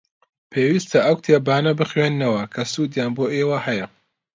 پێویستە ئەو کتێبانە بخوێننەوە کە سوودیان بۆ ئێوە هەیە.